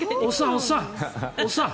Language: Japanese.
おっさん！